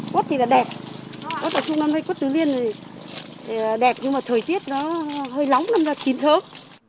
quất thì là đẹp quất ở trung nam hay quất tứ liên thì đẹp nhưng mà thời tiết nó hơi lóng nên là chín thớm